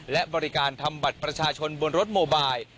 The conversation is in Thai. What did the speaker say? และบริการทำบัตรประชาชนบนรถโมบาย